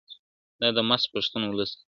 دا دمست پښتون ولس دی `